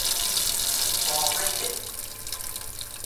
คอไม่เจ็บ